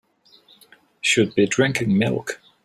Should be drinking milk.